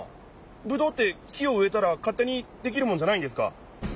ぶどうって木をうえたらかってにできるもんじゃないんですか？